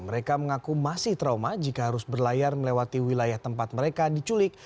mereka mengaku masih trauma jika harus berlayar melewati wilayah tempat mereka diculik